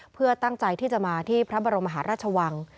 เพื่อตั้งใจที่จะมาที่พระบรมมหาราชวัง